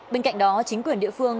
bên cạnh đó chính quyền địa phương